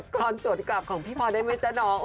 กลอนสวัสดีกลับของพี่พ่อได้มั้ยจ๊ะน้อง